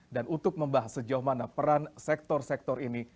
dan untuk membahas sejauh mana peran sektor sektor ini